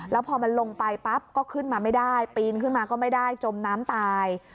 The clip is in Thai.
แล้วพอมันลงไปปั๊บก็ขึ้นมาไม่ได้ปีนขึ้นมาก็ไม่ได้จมน้ำตาย